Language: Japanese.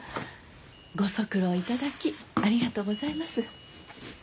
ご足労いただきありがとうございます。